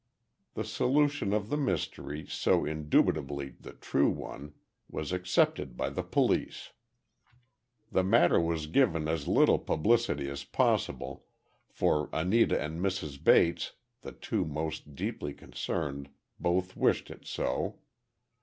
The solution of the mystery, so indubitably the true one, was accepted by the police. The matter was given as little publicity as possible, for Anita and Mrs. Bates, the two most deeply concerned both wished it so.